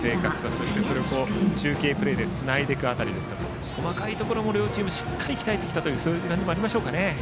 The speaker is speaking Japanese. そして、それを中継プレーでつないでいく辺りですとか細かいところも両チームしっかり鍛えてきたとそういう面もありますね。